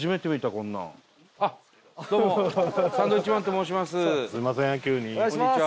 こんにちは。